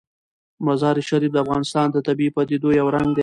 مزارشریف د افغانستان د طبیعي پدیدو یو رنګ دی.